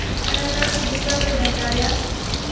ایا تاسو د سترګو ډاکټر یاست؟